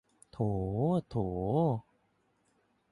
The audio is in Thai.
โถ โถ